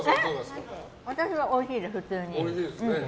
私はおいしいです、普通に。